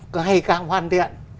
còn ngày càng hoàn thiện